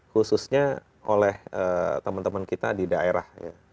khususnya oleh teman teman kita di daerah